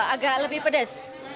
agak lebih pedas